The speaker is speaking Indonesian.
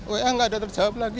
wa nggak ada terjawab lagi